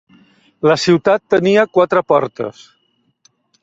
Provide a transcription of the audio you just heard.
La ciutat tenia quatre portes.